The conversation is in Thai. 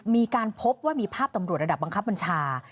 มีการพบว่ามีภาพตำรวจระดับบังคับบัญชา